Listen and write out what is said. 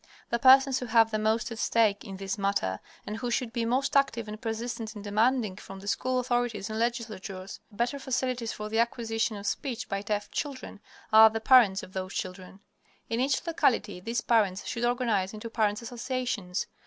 The persons who have the most at stake in this matter, and who should be most active and persistent in demanding from the school authorities and legislatures better facilities for the acquisition of speech by deaf children, are the parents of those children. In each locality these parents should organize into "Parents' Associations."